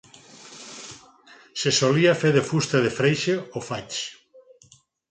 Se solia fer de fusta de freixe o faig.